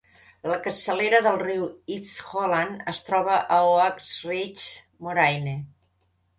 La capçalera del riu East Holland es troba a Oak Ridges Moraine.